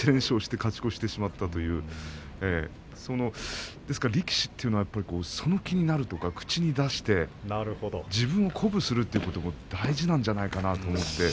勝ち越しだと力士というその気になるとか、口に出して自分を鼓舞するということが大事なんじゃないかなと思います。